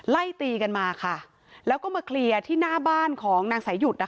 ไล่ตีกันมาค่ะแล้วก็มาเคลียร์ที่หน้าบ้านของนางสายหยุดอ่ะ